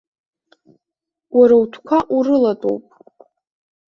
Уара утәқәа урылатәоуп.